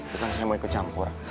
sekarang saya mau ikut campur